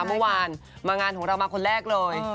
เมื่อวานมางานของเรามาคนแรกเลย